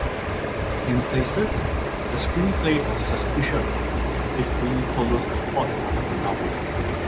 In places, the screenplay of "Suspicion" faithfully follows the plot of the novel.